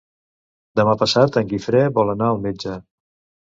Demà passat en Guifré vol anar al metge.